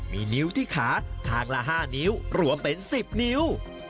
มีนิ้วที่ขาทางละ๕นิ้วรวมเป็น๑๐นิ้ว